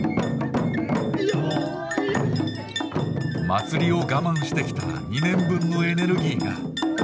祭りを我慢してきた２年分のエネルギーが。